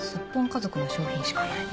家族の商品しかない。